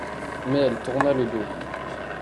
Mais elle tourna le dos.